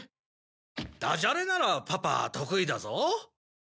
ダジャレならパパ得意だぞ。